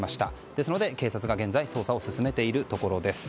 ですので警察が現在捜査を進めているところです。